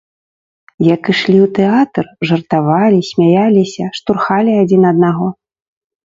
Як ішлі ў тэатр, жартавалі, смяяліся, штурхалі адзін аднаго.